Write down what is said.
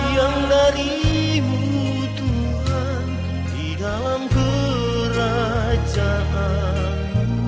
yang darimu tuhan di dalam kerajaan